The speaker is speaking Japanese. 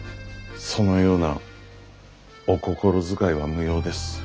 そのようなお心遣いは無用です。